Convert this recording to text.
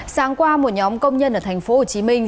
sáng qua một nhóm công nhân ở thành phố hồ chí minh